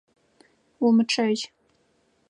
Умычъэжь!